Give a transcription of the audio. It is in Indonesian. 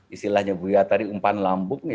istilahnya buya tadi umpan lambung